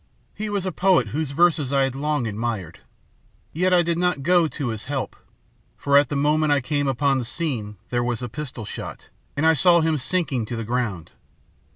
He was a poet whose verses I had long admired. Yet I did not go to his help, for at the moment I came upon the scene there was a pistol shot, and I saw him sinking to the ground.